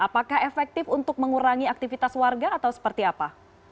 apakah efektif untuk mengurangi aktivitas warga atau seperti apa